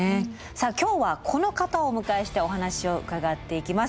さあ今日はこの方をお迎えしてお話を伺っていきます。